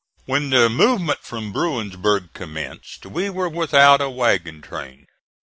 When the movement from Bruinsburg commenced we were without a wagon train.